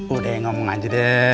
udah ngomong aja deh